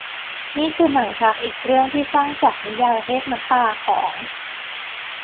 นี่คือหนังรักอีกเรื่องที่สร้างจากนิยายเรียกน้ำตาของ